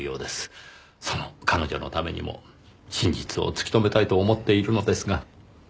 その彼女のためにも真実を突き止めたいと思っているのですが。